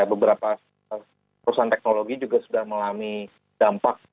beberapa perusahaan teknologi juga sudah mengalami dampak